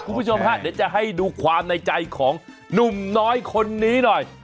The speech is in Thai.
คุณผู้ชมฮะเดี๋ยวจะให้ดูความในใจของหนุ่มน้อยคนนี้หน่อย